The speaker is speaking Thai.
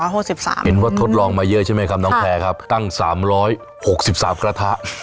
เห็นว่าทดลองมาเยอะใช่ไหมครับน้องแพร่ครับตั้ง๓๖๓กระทะ